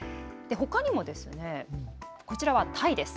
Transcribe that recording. ほかにも、こちらはタイです。